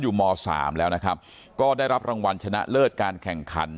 ม๓แล้วนะครับก็ได้รับรางวัลชนะเลิศการแข่งขัน